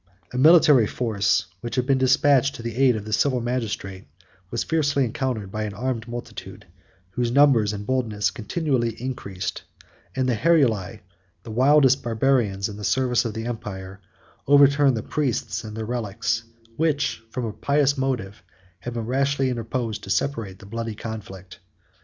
A military force, which had been despatched to the aid of the civil magistrate, was fiercely encountered by an armed multitude, whose numbers and boldness continually increased; and the Heruli, the wildest Barbarians in the service of the empire, overturned the priests and their relics, which, from a pious motive, had been rashly interposed to separate the bloody conflict.